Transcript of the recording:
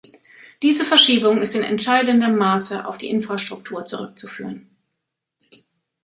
Diese Verschiebung ist in entscheidendem Maße auf die Infrastruktur zurückzuführen.